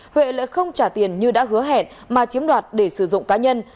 huệ lại không trả tiền như đã hứa hẹn mà chiếm đoạt để sử dụng cá nhân